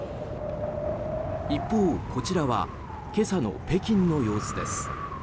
一方、こちらは今朝の北京の様子です。